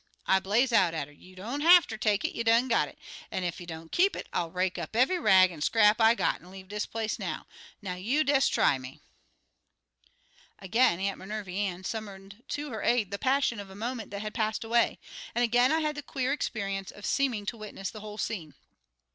I blaze' out at 'er, 'You don't hafter take it; you done got it! An' ef you don't keep it, I'll rake up eve'y rag an' scrap I got an' leave dis place. Now, you des' try me!'" [Illustration: Mary E. Wilkins Freeman] Again Aunt Minervy Ann summoned to her aid the passion of a moment that had passed away, and again I had the queer experience of seeming to witness the whole scene.